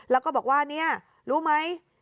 แล้วก็บอกว่าเนี่ยรู้ไหม